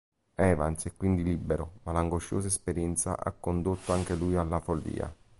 Evans è quindi libero, ma l'angosciosa esperienza ha condotto anche lui alla follia.